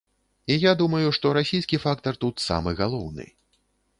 І я думаю, што расійскі фактар тут самы галоўны.